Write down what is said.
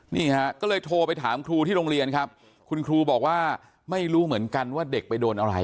นี่ฮะก็เลยโทรไปถามครูที่โรงเรียนครับคุณครูบอกว่าไม่รู้เหมือนกันว่าเด็กไปโดนอะไร